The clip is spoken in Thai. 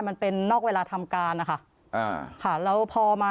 มันเป็นนอกเวลาทำการค่ะ